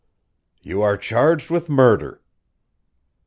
"You are charged with murder."